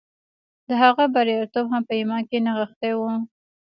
د هغه بریالیتوب هم په ایمان کې نغښتی و